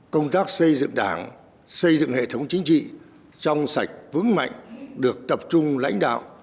công tác xây dựng đảng xây dựng hệ thống chính trị trong sạch vững mạnh được tập trung lãnh đạo